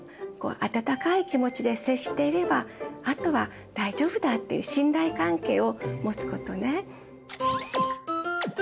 あたたかい気持ちで接していればあとは大丈夫だっていう信頼関係を持つことね。